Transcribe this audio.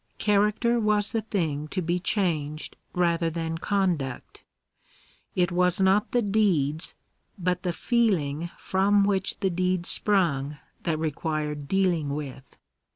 Character was the thing to be changed rather than conduct. It was not the deeds, bat the feeling from which the deeds sprung that required dealing with.